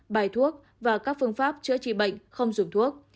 bài thuốc và các phương pháp chữa trị bệnh không dùng thuốc